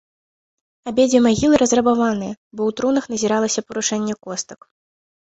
Абедзве магілы разрабаваныя, бо ў трунах назіралася парушэнне костак.